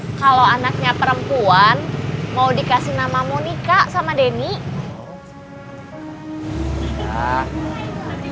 hai kalau anaknya perempuan mau dikasih nama monica sama denny